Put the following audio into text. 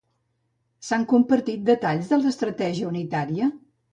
S'han compartit detalls de l'estratègia unitària?